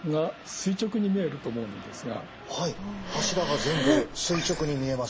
はい柱が全部垂直に見えます。